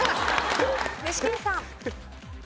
具志堅さん。